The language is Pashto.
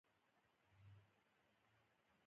بادي انرژي د افغانستان د اقتصاد برخه ده.